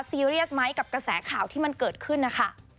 ซีเรียสไหมกับกระแสข่าวที่มันเกิดขึ้นนะคะ